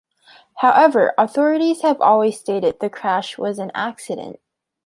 However, authorities have always stated the crash was an accident.